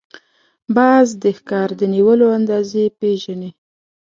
باز د ښکار د نیولو اندازې پېژني